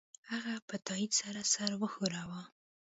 هغه په تایید سره سر وښوراوه